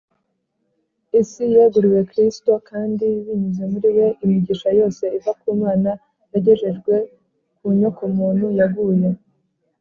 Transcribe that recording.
. Isi yeguriwe Kristo kandi, binyuze muri We, imigisha yose iva ku Mana yagejejwe ku nyokomuntu yaguye